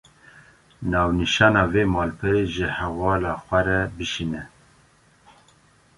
Navnîşana vê malperê, ji hevalê xwe re bişîne